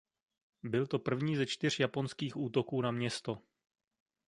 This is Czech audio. Byl to první ze čtyř japonských útoků na město.